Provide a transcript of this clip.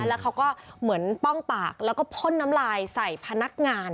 แล้วเขาก็เหมือนป้องปากแล้วก็พ่นน้ำลายใส่พนักงาน